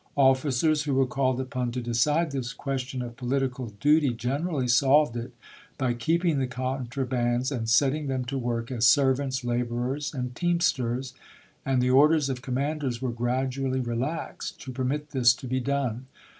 Officers who were called upon to decide this question of political duty generally solved it by keeping the contrabands and setting them to work as servants, laborers, and teamsters, and the orders of commanders were gradually re laxed to permit this to be done.